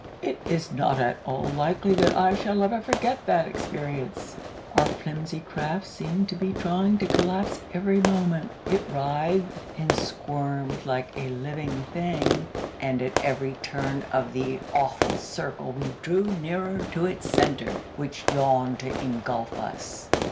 "It is not at all likely that I shall ever forget that experience. Our flimsy craft seemed to be trying to collapse every moment. It writhed and squirmed like a living thing, and at every turn of the awful circle we drew nearer to its centre, which yawned to engulf us.